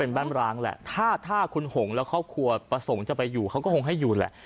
เป็นบ้านร้างแหละถ้าคุณหงและครอบครัวประสงค์จะไปอยู่เขาก็คงให้อยู่แหละ